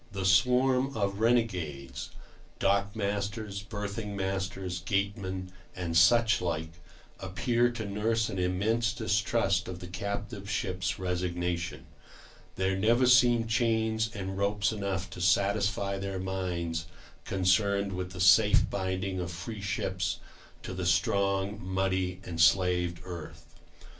The swarm of renegades—dock masters, berthing masters, gatemen, and such like—appear to nurse an immense distrust of the captive ship's resignation. There never seem chains and ropes enough to satisfy their minds concerned with the safe binding of free ships to the strong, muddy, enslaved earth.